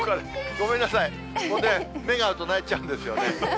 ごめんなさい、目が合うと泣いちゃうんですよね。